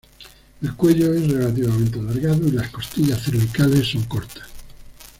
El cuello es relativamente alargado y las costillas cervicales son cortas.